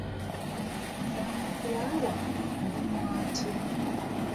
Sunflower alimwa atya?